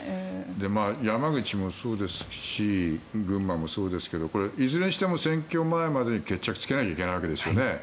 山口もそうですし群馬もそうですけどいずれにしても選挙前までに決着をつけなきゃいけないわけですよね。